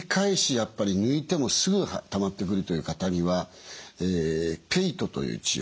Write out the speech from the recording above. やっぱり抜いてもすぐたまってくるという方にはＰＥＩＴという治療。